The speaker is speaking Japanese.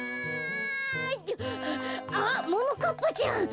あっももかっぱちゃん！